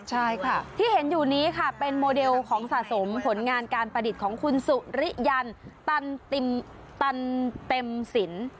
ใช่ค่ะที่เห็นอยู่นี้ค่ะเป็นโมเดลของสะสมผลงานการประดิษฐ์ของคุณสุริยันตันเต็มสิน